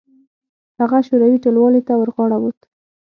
هغه شوروي ټلوالې ته ورغاړه وت.